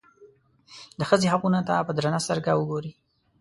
د ښځې حقونو ته په درنه سترګه وګوري.